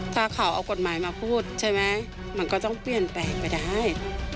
ถ้าเขาเอากฎหมายมาพูดใช่ไหมมันก็ต้องเปลี่ยนแปลงไปได้